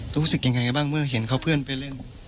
รู้สึกยังไงกันบ้างเมื่อเห็นเขาเพื่อนไปเล่น